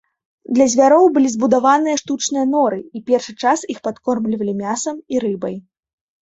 Для звяроў былі збудаваныя штучныя норы, і першы час іх падкормлівалі мясам і рыбай.